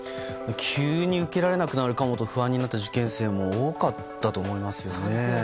急に受けられなくなるかもと不安になった受験生も多かったと思いますよね。